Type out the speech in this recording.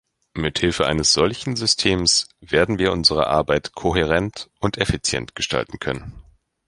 Mithilfe eines solchen Systems werden wir unsere Arbeit kohärent und effizient gestalten können.